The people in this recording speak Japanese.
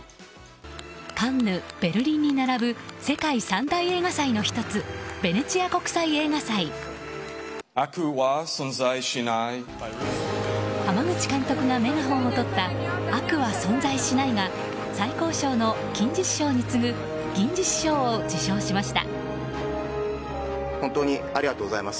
カンヌ、ベルリンに並ぶ世界三大映画祭の１つ濱口監督がメガホンをとった「悪は存在しない」が最高賞の金獅子賞に次ぐ銀獅子賞を受賞しました。